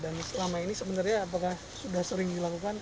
dan selama ini sebenarnya apakah sudah sering dilakukan